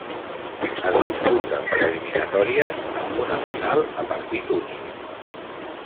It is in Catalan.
Es disputa per eliminatòries amb una final a partit únic.